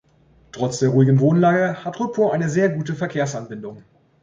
Trotz der ruhigen Wohnlage hat Rüppurr eine sehr gute Verkehrsanbindung.